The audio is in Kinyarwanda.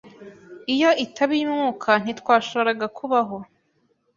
Iyo itaba iy'umwuka, ntitwashoboraga kubaho.